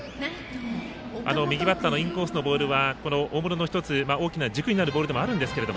右バッターのインコースのボールは、大室の１つ大きな軸になるボールでもあるんですが。